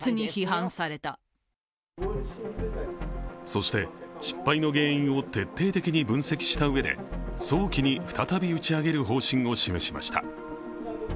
そして失敗の原因を徹底的に分析したうえで早期に再び打ち上げる方針を示しました。